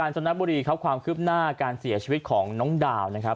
จนบุรีครับความคืบหน้าการเสียชีวิตของน้องดาวนะครับ